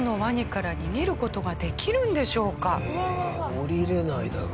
下りれないだろ。